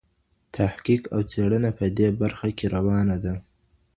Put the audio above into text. تحقیق او څېړنه په دې برخه کې روانه ده.